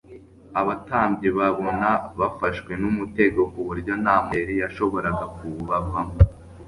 Abatambyi babona bafashwe n'umutego ku buryo nta mayeri yashoboraga kuwubavamo.